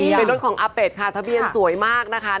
นี่เป็นรถของอาเป็ดค่ะทะเบียนสวยมากนะคะ